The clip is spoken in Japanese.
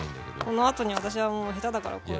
このあとに私はもう下手だからこうやって。